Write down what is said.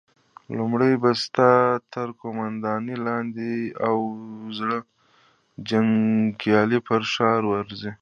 لومړی به ستا تر قوماندې لاندې اووه زره جنيګالي پر ښار ورځي!